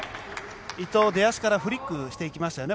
伊藤、出足からフリックしていきましたね。